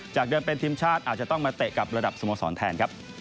จากเดิมเป็นทีมชาติอาจจะต้องมาเตะกับระดับสโมสรแทนครับ